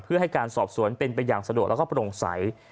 เพื่อให้การสอบสวนเป็นเป็นอย่างสะดวกและพลงใส